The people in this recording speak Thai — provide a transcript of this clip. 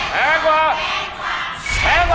แพงกว่าแพงกว่า